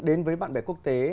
đến với bạn bè quốc tế